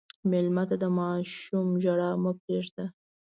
مېلمه ته د ماشوم ژړا مه پرېږده.